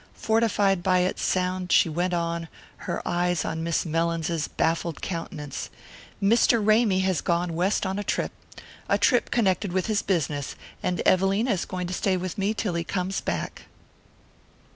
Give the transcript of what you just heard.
Fortified by its sound she went on, her eyes on Miss Mellins's baffled countenance: "Mr. Ramy has gone west on a trip a trip connected with his business; and Evelina is going to stay with me till he comes back."